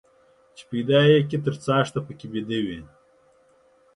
چې پيدا يې کى تر څاښته پکښي بيده وو.